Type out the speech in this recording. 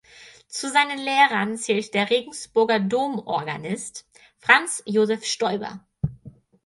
Zu seinen Lehrern zählte der Regensburger Domorganist Franz Josef Stoiber.